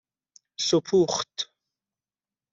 سپوخت